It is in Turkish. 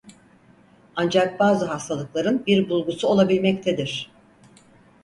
Ancak bazı hastalıkların bir bulgusu olabilmektedir.